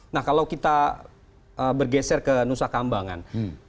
nah kalau kita bergeser ke nusa kambangan